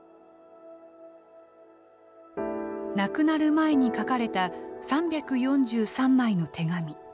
亡くなる前に書かれた３４３枚の手紙。